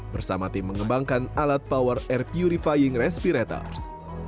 bersama tim mengembangkan alat power air purifying respirators